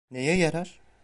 Neye yarar?